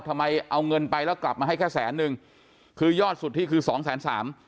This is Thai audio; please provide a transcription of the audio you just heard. ทำไมเอาเงินไปแล้วกลับมาให้แค่แสนนึงคือยอดสุดที่คือสองแสนสาม